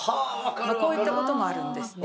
こういったこともあるんですね